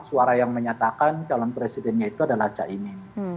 suara yang menyatakan calon presidennya itu adalah caimin